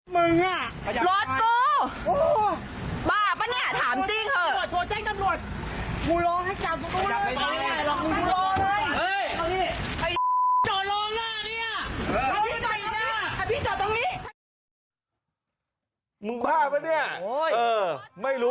ไม่รู้ใคร